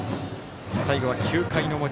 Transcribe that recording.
最後は９回の表。